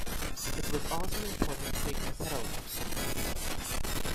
It was also an important Quaker settlement.